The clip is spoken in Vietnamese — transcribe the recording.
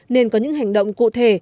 nên có những hành động cụ thể